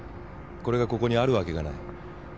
これがここにあるわけがない。